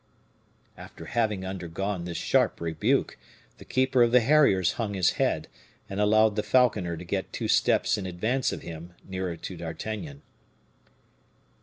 After having undergone this sharp rebuke, the keeper of the harriers hung his head, and allowed the falconer to get two steps in advance of him nearer to D'Artagnan.